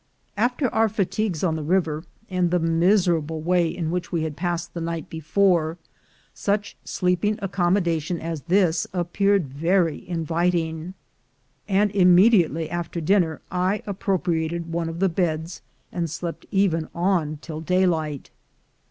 After our fatigues on the river, and the miserable way in which we had passed the night before, such sleeping accommodation as this appeared very invit ing; and immediately after dinner I appropriated one of the beds, and slept even on till daylight.